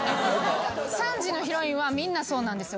３時のヒロインはみんなそうなんですよ。